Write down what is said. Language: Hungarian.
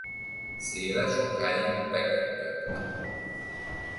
Széle sokáig begöngyölt.